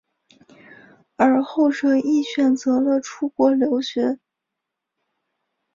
而后者亦选择了出国留学。